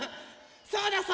そうだそうだ！